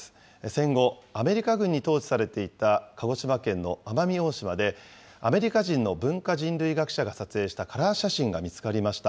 戦後、アメリカ軍に統治されていた鹿児島県の奄美大島で、アメリカ人の文化人類学者が撮影したカラー写真が見つかりました。